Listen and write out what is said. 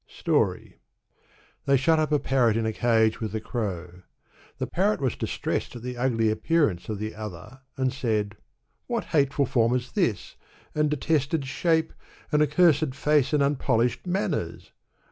Story. They shut up a parrot in a cage with a crow. The parrot was distressed at the ugly appearance of the other, and said, '' What hateful form is this, and de tested shape, and accursed £eu:e and unpolished man ners?